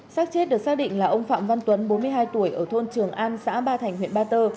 sát chết được xác định là ông phạm văn tuấn bốn mươi hai tuổi ở thôn trường an xã ba thành huyện ba tơ